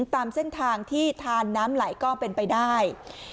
ตามเส้นทางที่ทานน้ำไหลก็เป็นไปได้